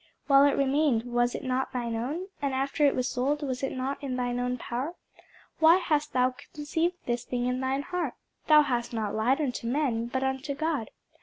While it remained, was it not thine own? and after it was sold, was it not in thine own power? why hast thou conceived this thing in thine heart? thou hast not lied unto men, but unto God.